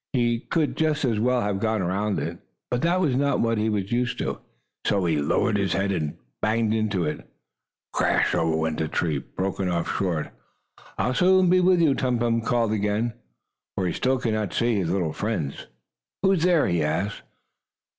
He could just as well have gone around it, but that was not what he was used to. He lowered his head, and banged into it. "Crash!" over went the tree, broken off short. "I'll soon be with you!" Tum Tum called again, for he still could not see his little friends. "Who's there?" he asked.